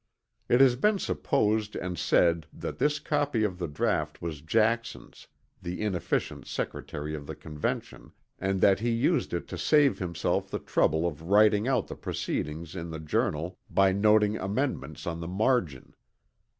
It has been supposed and said that this copy of the draught was Jackson's, the inefficient Secretary of the Convention, and that he used it to save himself the trouble of writing out the proceedings in the journal by noting amendments on the margin.